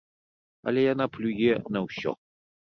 Але яна плюе на ўсё.